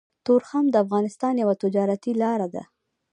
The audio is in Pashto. تورخم د افغانستان يوه تجارتي لاره ده